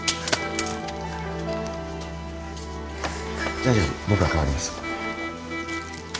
大丈夫僕が代わります。